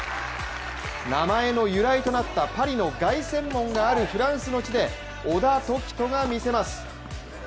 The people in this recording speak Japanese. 名前の由来となったパリの凱旋門があるフランスの地で小田凱人が見せます。